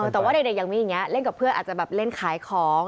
แต่ว่าเด็กอย่างนี้เล่นกับเพื่อนอาจจะแบบเล่นขายของ